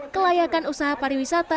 kelayakan usaha padiwisata